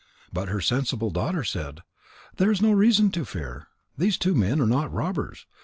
But her sensible daughter said: "There is no reason to fear. These two men are not robbers.